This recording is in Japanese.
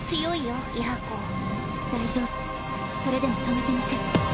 それでも止めてみせる。